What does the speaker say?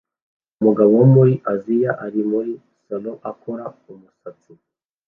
Umugabo wo muri Aziya ari muri salon akora umusatsi